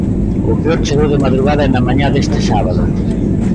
O peor chegou de madrugada e na mañá deste sábado.